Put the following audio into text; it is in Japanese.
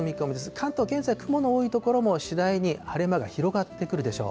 関東、現在、雲の多い所も次第に晴れ間が広がってくるでしょう。